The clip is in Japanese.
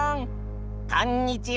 こんにちは。